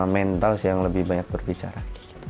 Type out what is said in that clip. mental sih yang lebih banyak berbicara